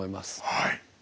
はい。